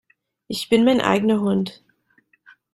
Ich bin mein eigener Hund.